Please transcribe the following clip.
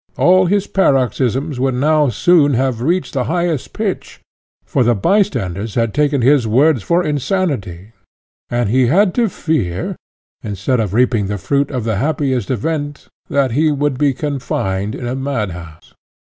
All his paroxysms would now soon have reached the highest pitch, for the bystanders had taken his words for insanity, and he had to fear, instead of reaping the fruit of the happiest event, that he would be confined in a madhouse.